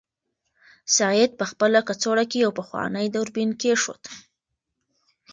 سعید په خپله کڅوړه کې یو پخوانی دوربین کېښود.